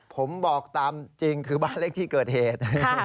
ผมบอกตามจริงคือบ้านเลขที่เกิดเหตุ